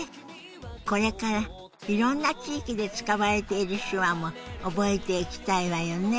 これからいろんな地域で使われている手話も覚えていきたいわよね。